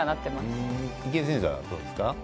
池江選手はどうですか？